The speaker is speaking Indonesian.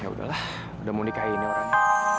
ya udahlah udah mau nikahin ya orangnya